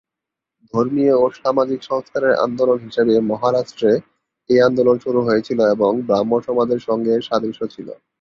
ধর্মীয় ও সামাজিক সংস্কারের আন্দোলন হিসাবে মহারাষ্ট্রে এই আন্দোলন শুরু হয়েছিল এবং ব্রাহ্মসমাজের সঙ্গে এর সাদৃশ্য ছিল।